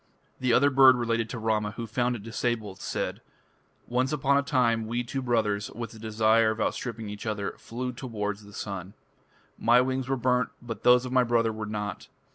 The other bird related to Rama, who found it disabled: "Once upon a time we two (brothers), with the desire of outstripping each other, flew towards the sun. My wings were burnt, but those of my brother were not....